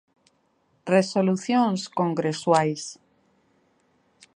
Resolucións congresuais.